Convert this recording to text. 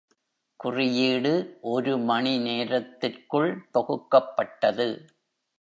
குறியீடு ஒரு மணி நேரத்திற்குள் தொகுக்கப்பட்டது.